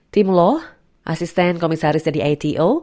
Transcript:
tim law asisten komisaris dari ato